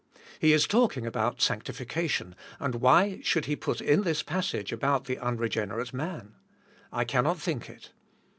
He is talking about sanctification and why should he put in this passage about the unregener ate man? I cannot think it.